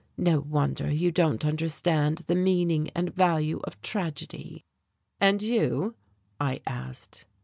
No wonder you don't understand the meaning and value of tragedy." "And you?" I asked.